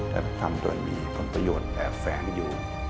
แต่ถ้าทำด้วยมีความประโยชน์แอบแฝงอยู่